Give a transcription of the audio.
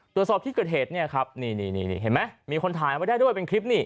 ตรวจสอบที่เกิดเหตุเนี่ยครับนี่เห็นไหมมีคนถ่ายไว้ได้ด้วยเป็นคลิปนี่